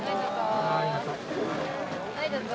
ありがとう。